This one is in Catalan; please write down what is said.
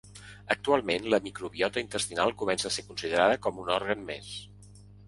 Actualment, la microbiota intestinal comença a ser considerada com un òrgan més.